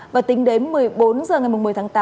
và tính đến một mươi bốn h ngày một mươi tháng tám